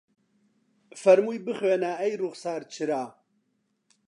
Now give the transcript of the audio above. فەرمووی بخوێنە ئەی ڕوخسار چرا